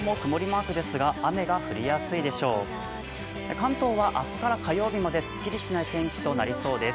関東は明日から火曜日まですっきりしない天気になりそうです。